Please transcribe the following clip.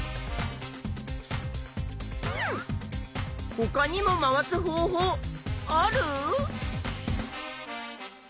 ほかにも回す方法ある？